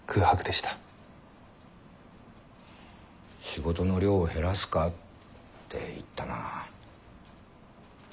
「仕事の量を減らすか？」って言ったな。